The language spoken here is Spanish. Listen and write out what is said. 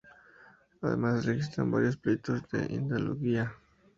Además, se registran varios pleitos de hidalguía.